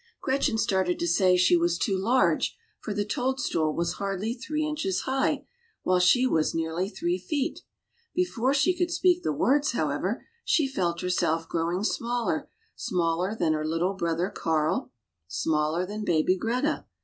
Gretchen started to say she was too large, for the toadstool was hardly three inches high, while she was near three feet. Before she could speak the words, how ever, she felt herself growing smaller — smaller than little brother Karl, smaller than baby Greta.